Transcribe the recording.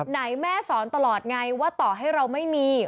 แม่สอนตลอดไงว่าต่อให้เราไม่มี